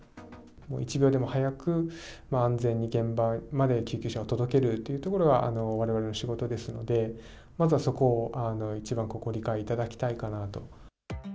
一秒でも早く安全に現場まで救急車を届けるというところが、われわれの仕事ですので、まずはそこを一番ご理解いただきたいかなと。